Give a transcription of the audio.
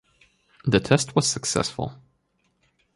The test was successful.